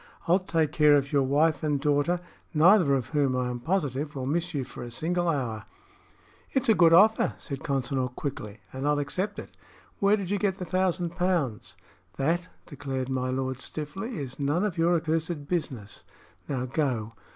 I'll take care of your wife and daughter, neither of whom, I am positive, will miss you for a single hour." "It's a good offer," said Consinor, quickly, "and I'll accept it. Where did you get the thousand pounds?" "That," declared my lord, stiffly, "is none of your accursed business! Now go.